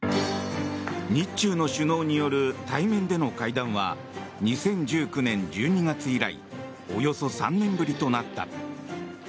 日中の首脳による対面での会談は２０１９年１２月以来およそ３年ぶりとなった。